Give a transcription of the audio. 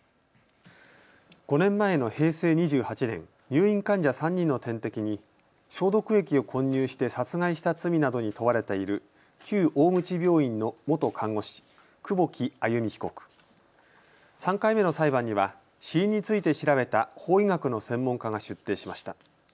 ５年前の平成２８年、入院患者３人の点滴に消毒液を混入して殺害した罪などに問われている旧大口病院の元看護師、久保木愛弓被告、３回目の裁判には死因について調べた法医学の専門家が出廷しました。